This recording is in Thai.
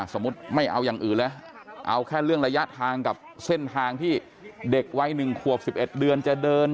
ไม่เอาอย่างอื่นเลยเอาแค่เรื่องระยะทางกับเส้นทางที่เด็กวัย๑ขวบ๑๑เดือนจะเดิน